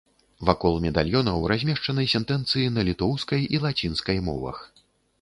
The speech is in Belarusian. Вакол медальёнаў размешчаны сентэнцыі на літоўскай і лацінскай мовах.